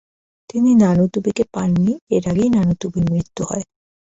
তিনি নানুতুবিকে পান নি, এর আগেই নানুতুবির মৃত্যু হয়।